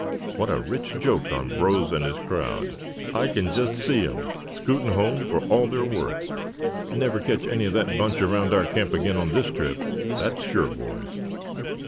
"What a rich joke on Brose and his crowd. I can just see 'em scooting for home for all they're worth. Never catch any of that bunch around our camp again on this trip, that's sure, boys."